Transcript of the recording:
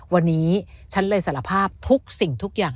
วันนี้ฉันเลยสารภาพทุกสิ่งทุกอย่าง